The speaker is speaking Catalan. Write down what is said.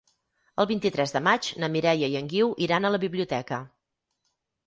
El vint-i-tres de maig na Mireia i en Guiu iran a la biblioteca.